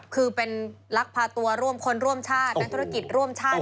คือเป็นลักพาตัวร่วมคนร่วมชาตินักธุรกิจร่วมชาติ